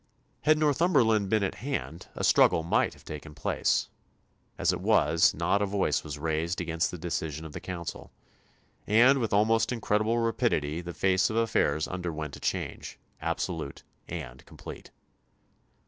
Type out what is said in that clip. Had Northumberland been at hand a struggle might have taken place; as it was, not a voice was raised against the decision of the Council, and with almost incredible rapidity the face of affairs underwent a change, absolute and complete.